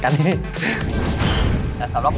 ยังเพราะความสำคัญ